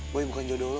boy bukan jodoh lo